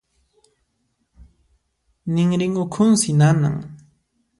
Ninrin ukhunsi nanan.